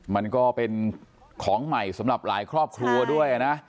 มันก็เป็นของใหม่สำหรับหลายครอบครัวด้วยนะ